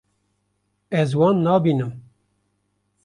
Ez wan nabînim.